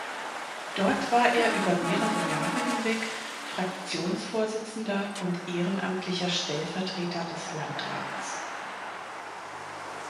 Dort war er über mehrere Jahre hinweg Fraktionsvorsitzender und ehrenamtlicher Stellvertreter des Landrats.